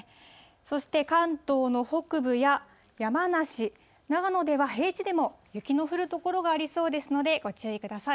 そして、関東の北部や山梨、長野では平地でも雪の降る所がありそうですので、ご注意ください。